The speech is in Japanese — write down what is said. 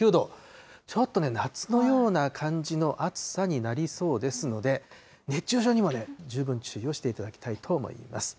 ちょっとね、夏のような感じの暑さになりそうですので、熱中症にも十分注意をしていただきたいと思います。